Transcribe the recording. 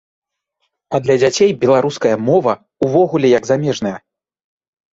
А для дзяцей беларуская мова ўвогуле як замежная.